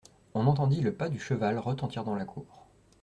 On entendit le pas du cheval retentir dans la cour.